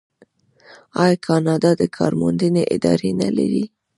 آیا کاناډا د کار موندنې ادارې نلري؟